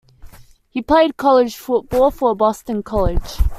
He played college football for Boston College.